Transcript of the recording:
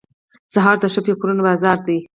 سهار د ښه فکرونو بازار دی.